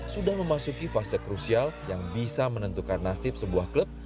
sudah memasuki fase krusial yang bisa menentukan nasib sebuah klub